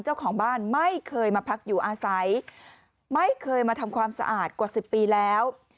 เจ้าของบ้านไม่เคยมาพักอยู่อาศัยไม่เคยมาทำความสะอาดกว่า๑๐ปีแล้ว